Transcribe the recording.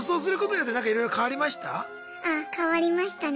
あ変わりましたね。